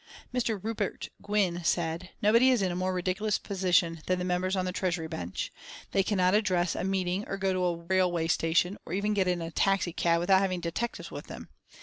Mr. Rupert Gwynne said: "Nobody is in a more ridiculous position than the members on the Treasury Bench. They cannot address a meeting, or go to a railway station, or even get into a taxicab, without having detectives with them.